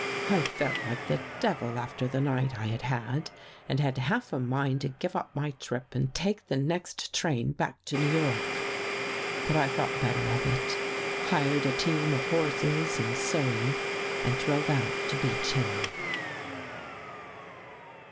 I felt like the devil after the night I had had and had half a mind to give up my trip and take the next train back to New York. " But I thought better of it, hired a team of horses and surrey and drove out to Beech Hill."